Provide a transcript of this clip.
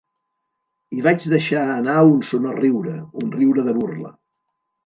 I vaig deixar anar un sonor riure, un riure de burla.